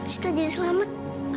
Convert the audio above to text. sita jadi selamat